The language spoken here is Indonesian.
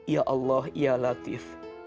ya allah ya latif